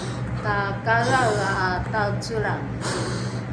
takaeaea ’a taecelrange